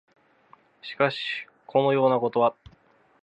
しかし、このようなことは、